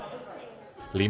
lima juta diantaranya